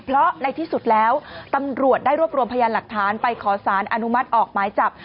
เพราะในที่สุดแล้วตำรวจได้รวบรวมพยานหลักฐานไปขอสารอนุมัติออกหมายจับ